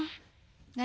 何？